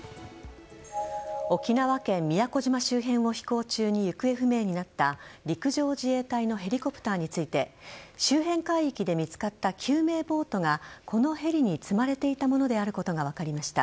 沖縄県宮古島周辺を飛行中に行方不明になった陸上自衛隊のヘリコプターについて周辺海域で見つかった救命ボートがこのヘリに積まれていたものであることが分かりました。